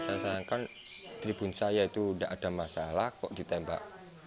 saya sayangkan tribun saya itu tidak ada masalah kok ditembak